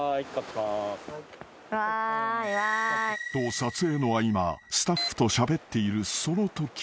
［と撮影の合間スタッフとしゃべっているそのとき］